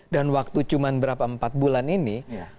dan waktu cuman beberapa empat bulan ini